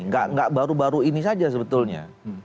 nggak baru baru ini saja sebetulnya